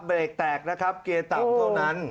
เบรกแตกนะครับเกียร์ต่ำเท่านั้น